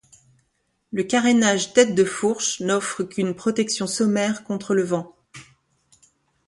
Le carénage tête de fourche n'offre qu'une protection sommaire contre le vent.